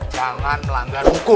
jangan melanggar hukum